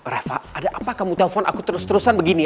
reva ada apa kamu telepon aku terus terusan begini